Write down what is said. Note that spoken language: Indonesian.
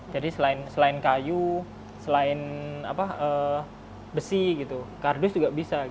jadi selain kayu selain besi kardus juga bisa